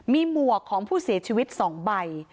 มีหมวกของผู้เสียชีวิต๒ใบ